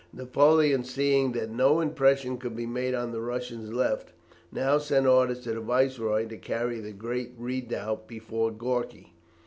Napoleon, seeing that no impression could be made on the Russian left, now sent orders to the Viceroy to carry the great redoubt before Gorki.